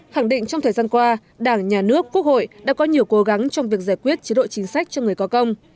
khẳng định trong thời gian qua đảng nhà nước quốc hội đã có nhiều cố gắng trong việc giải quyết chế độ chính sách cho người có công